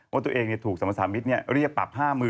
ว่าตัวเองถูกสรรพสามิตรเรียกปรับ๕๐๐๐